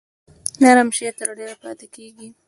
نرم شی تر ډیره پاتې کیږي.